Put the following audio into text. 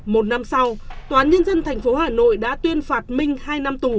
một năm sau toán nhân dân thành phố hà nội đã tuyên phạt minh hai năm tù